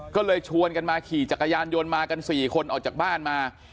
ก็เลยชวนกันมาขี่จักรยานยนต์มากัน๔คนออกจากบ้านมา